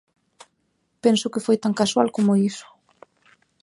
Penso que foi tan casual como iso.